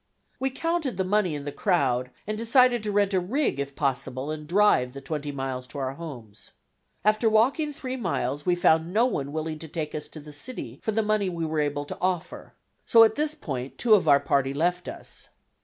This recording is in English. We counted the money in the crowd and decided to rent a rig if possible and drive the twenty miles to our homes. After walking three miles, we found no one willing to take us to the city for the money we were able to offer; so at this point two of our party left us.